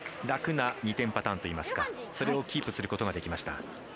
楽な２点パターンといいますかそれをキープすることができました。